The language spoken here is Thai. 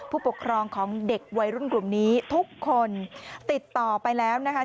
ผู้ปกครองของเด็กวัยรุ่นกลุ่มนี้ทุกคนติดต่อไปแล้วนะคะ